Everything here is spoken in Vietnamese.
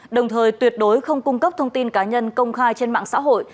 đồng thời tuyệt đối không cung cấp thông tin cá nhân công khai trên mạng xã hội